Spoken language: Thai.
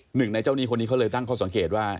หนึ่งในเจ้าหนี้คนนี้เขาเลยตั้งข้อสังเกตว่า